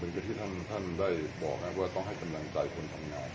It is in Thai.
มีกระทิทธิ์ท่านได้บอกนะว่าต้องให้กำลังใจคนทำงาน